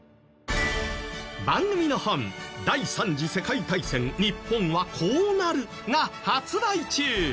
番組の本『第三次世界大戦日本はこうなる』が発売中。